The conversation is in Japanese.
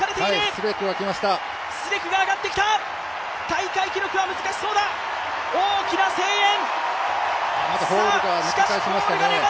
大会記録は難しそうだ、大きな声援。